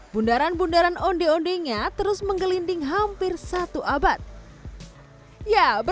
bundaran bundaran onde ondenya terus menggelinding hampirnya